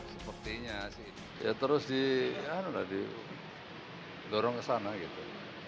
sepertinya sih ya terus di dorong ke sana gitu